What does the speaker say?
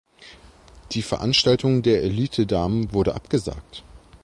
Die Veranstaltung der Elite Damen wurde abgesagt.